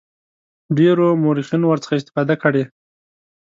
ډیرو مورخینو ورڅخه استفاده کړې.